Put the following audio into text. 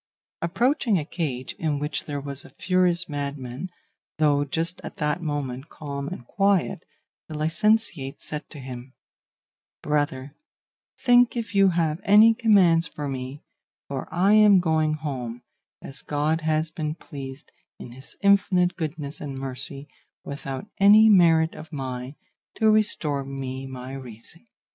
Approaching a cage in which there was a furious madman, though just at that moment calm and quiet, the licentiate said to him, 'Brother, think if you have any commands for me, for I am going home, as God has been pleased, in his infinite goodness and mercy, without any merit of mine, to restore me my reason.